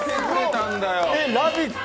「ラヴィット！」